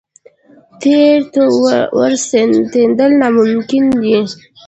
تېر ته ورستنېدل ناممکن دي.